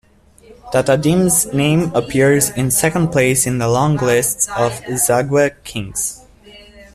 Tatadim's name appears in second place in the long lists of the Zagwe kings.